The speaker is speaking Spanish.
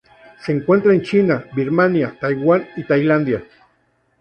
Se encuentra en China, Birmania, Taiwán y Tailandia.